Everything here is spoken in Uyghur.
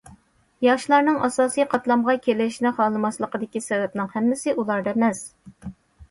ياشلارنىڭ ئاساسىي قاتلامغا كېلىشنى خالىماسلىقىدىكى سەۋەبنىڭ ھەممىسى ئۇلاردا ئەمەس.